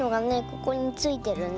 ここについてるね。